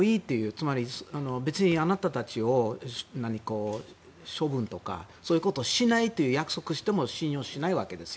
つまり別にあなたたちを処分とかそういうことしないという約束しても信用しないわけです。